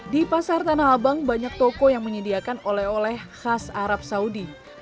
di pasar tanah abang banyak toko yang menyediakan oleh oleh khas arab saudi